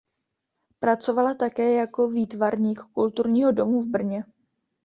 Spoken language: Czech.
Pracovala také jako výtvarník Kulturního domu v Brně.